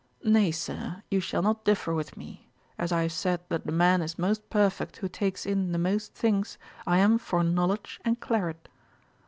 'Nay, Sir, you shall not differ with me; as I have said that the man is most perfect who takes in the most things, I am for knowledge and claret.'